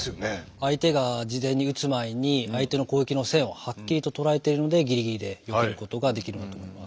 相手が事前に打つ前に相手の攻撃の線をはっきりと捉えているのでギリギリでよけることができるんだと思います。